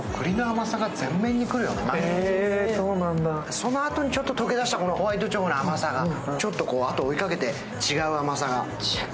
そのあとにちょっと溶けだしたホワイトチョコの甘さがちょっとあとを追いかけて、違う甘さが。